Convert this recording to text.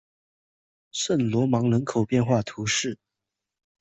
圣罗芒人口变化图示